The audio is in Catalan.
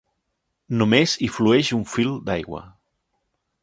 Només hi flueix un fil d'aigua.